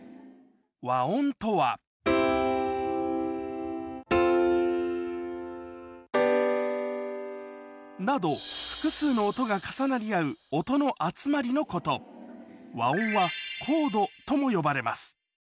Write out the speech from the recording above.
和音とはなど複数の音が重なり合う音の集まりのこと和音はコードとも呼ばれます